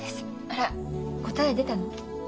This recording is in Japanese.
あら答え出たの？